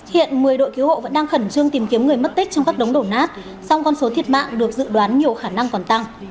hiện một mươi đội cứu hộ vẫn đang khẩn trương tìm kiếm người mất tích trong các đống đổ nát song con số thiệt mạng được dự đoán nhiều khả năng còn tăng